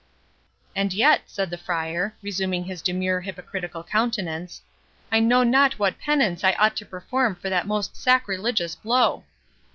"And yet," said the Friar, resuming his demure hypocritical countenance, "I know not what penance I ought to perform for that most sacrilegious blow!